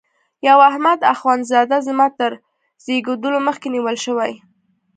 یو احمد اخوند زاده زما تر زیږېدلو مخکي نیول شوی.